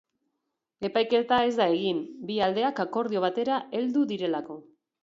Epaiketa ez da egin, bi aldeak akordio batera heldu direlako.